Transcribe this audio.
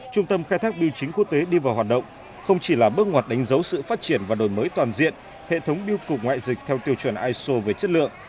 trung tâm khai thác biểu chính quốc tế đi vào hoạt động không chỉ là bước ngoặt đánh dấu sự phát triển và đổi mới toàn diện hệ thống biêu cục ngoại dịch theo tiêu chuẩn iso về chất lượng